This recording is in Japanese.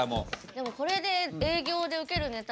でもこれで営業でウケるネタがね